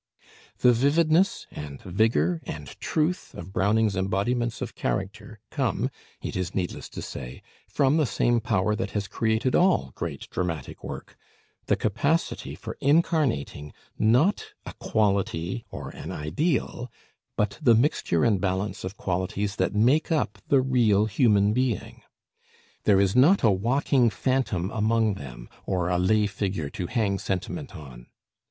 The vividness and vigor and truth of Browning's embodiments of character come, it is needless to say, from the same power that has created all great dramatic work, the capacity for incarnating not a quality or an ideal, but the mixture and balance of qualities that make up the real human being. There is not a walking phantom among them, or a lay figure to hang sentiment on.